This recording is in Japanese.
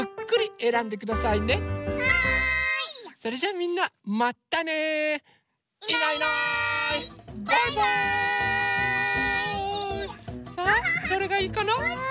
さあどれがいいかな？